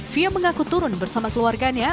fia mengaku turun bersama keluarganya